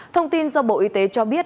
thông tin do bộ y tế cho biết